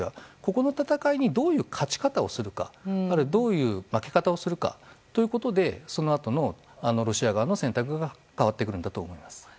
ここの戦いにどういう勝ち方をするかあるいはどういう負け方をするかということでそのあとのロシア側の選択が変わってくるんだと思います。